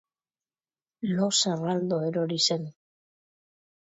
Lo zerraldo erori zen.